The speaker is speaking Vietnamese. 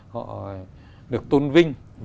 họ được tôn vinh